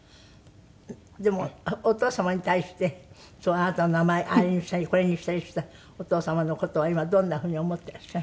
でもお父様に対してそのあなたの名前あれにしたりこれにしたりしたお父様の事を今どんなふうに思っていらっしゃる？